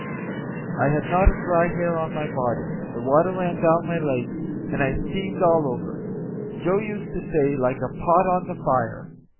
I had not a dry hair on my body, the water ran down my legs, and I steamed all over, Joe used to say, like a pot on the fire.